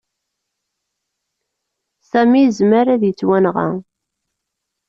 Sami yezmer ad yettwanɣa.